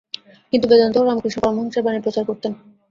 তিনি বেদান্ত ও রামকৃষ্ণ পরমহংসের বাণী প্রচার করতেন।